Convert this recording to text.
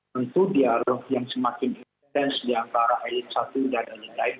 tentu dialog yang semakin intens diantara elit satu dan elit lain